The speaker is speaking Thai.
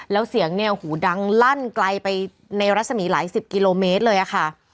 แล้วเสียงเนี่ยหูดังลั่นไกลไปในรัศมีหลายสิบกิโลเมตรเลยค่ะ